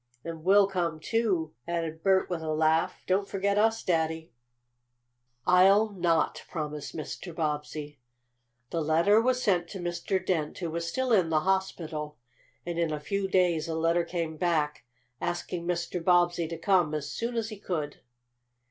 "And we'll come too," added Bert with a laugh. "Don't forget us, Daddy." "I'll not," promised Mr. Bobbsey. The letter was sent to Mr. Dent, who was still in the hospital, and in a few days a letter came back, asking Mr. Bobbsey to come as soon as he could.